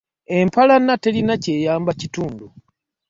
Empalana terina ky'eyamba kitundu.